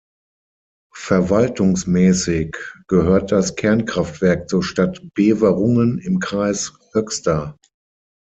Verwaltungsmäßig gehört das Kernkraftwerk zur Stadt Beverungen im Kreis Höxter.